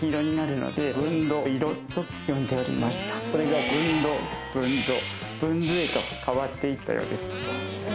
それが。へと変わっていったようです。